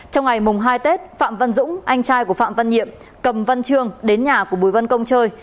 trong ngày mùng hai tết phạm văn dũng anh trai của phạm văn nhiệm cầm văn trương đến nhà của bùi văn công chơi